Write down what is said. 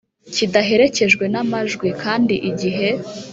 Kidaherekejwe n amajwi kandi igihe